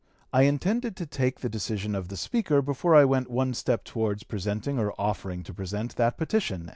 I intended to take the decision of the Speaker before I went one step towards presenting or offering to present that petition."